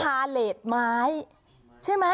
ทาเลสไม้ใช่ไหม